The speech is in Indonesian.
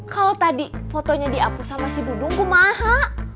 kalau tadi fotonya diapu sama si dudungku maha